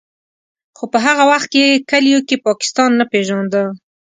خو په هغه وخت کې کلیو کې پاکستان نه پېژانده.